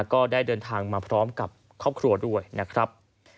ก็ได้เดินทางมาพร้อมกับครอบครัวด้วยนะครับ